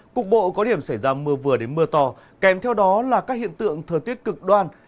cục bộ có điểm xảy ra mưa vừa đến mưa to kèm theo đó là các hiện tượng thời tiết cực đoan